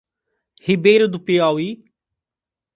Ribeira do Piauí